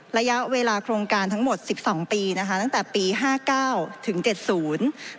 ระยะเวลาโครงการทั้งหมดสิบสองปีนะคะตั้งแต่ปีห้าเก้าถึงเจ็ดศูนย์